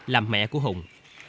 làm mẹ của hùng